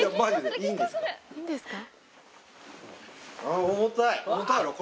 いいんですか？